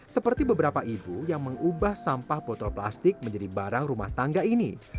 seperti beberapa ibu yang mengubah sampah botol plastik menjadi barang yang bermanfaat